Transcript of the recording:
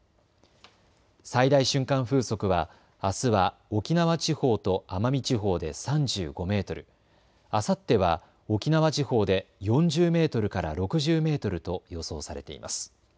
最大瞬間風速はあすは沖縄地方と奄美地方で３５メートル、あさっては沖縄地方で４０メートルから６０メートルと予想されています。